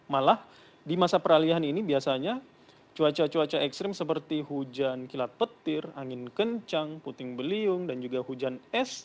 malah di masa peralihan ini biasanya cuaca cuaca ekstrim seperti hujan kilat petir angin kencang puting beliung dan juga hujan es